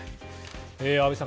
安部さん